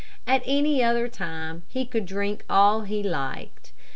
At any other time, he could drink all he liked.